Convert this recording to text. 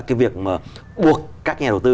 cái việc mà buộc các nhà đầu tư